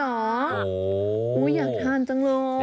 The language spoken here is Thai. โอ้ยอยากทานจังเลย